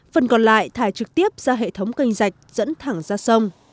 phần còn lại thải trực tiếp ra hệ thống canh dạch dẫn thẳng ra sông